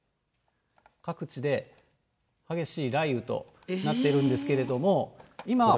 各地で激しい雷雨となっているんですけれども、今。